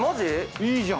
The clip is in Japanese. ◆いいじゃん。